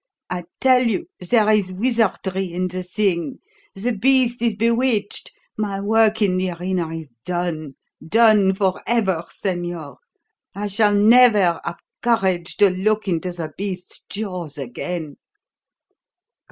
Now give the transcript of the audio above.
I tell you, there is wizardry in the thing; the beast is bewitched. My work in the arena is done done for ever, señor. I shall never have courage to look into the beast's jaws again."